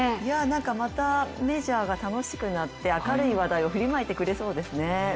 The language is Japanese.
またメジャーが楽しくなって明るい話題を振りまいてくれそうですね。